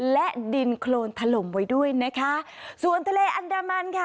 และดินโครนถล่มไว้ด้วยนะคะส่วนทะเลอันดามันค่ะ